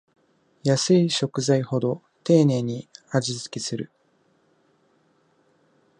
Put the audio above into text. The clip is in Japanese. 安い食材ほど丁寧に味つけする